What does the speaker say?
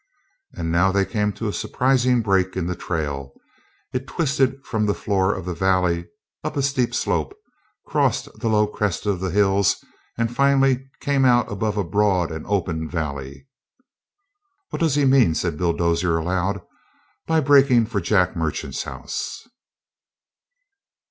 And now they came to a surprising break in the trail. It twisted from the floor of the valley up a steep slope, crossed the low crest of the hills, and finally came out above a broad and open valley. "What does he mean," said Bill Dozier aloud, "by breakin' for Jack Merchant's house?"